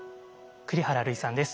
栗原類さんです。